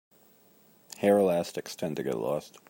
Hair elastics tend to get lost.